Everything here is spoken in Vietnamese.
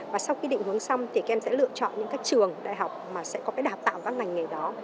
và sau cái định hướng xong thì em sẽ lựa chọn những cái trường đại học mà sẽ có cái đạp tạo các ngành nghề đó